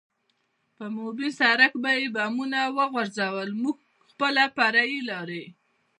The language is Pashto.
پر عمومي سړک به یې بمونه وغورځول، موږ خپله فرعي لارې.